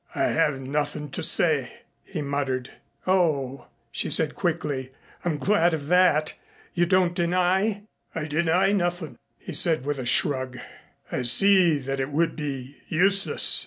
"I have nothing to say," he muttered. "Oh," she said quickly, "I'm glad of that. You don't deny ?" "I deny nothing," he said with a shrug. "I see that it would be useless."